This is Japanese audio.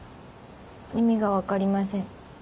意味が分かりません